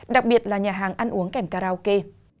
đặc biệt là nhà hàng ăn uống kèm karaoke